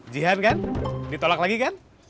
jihan kan ditolak lagi kan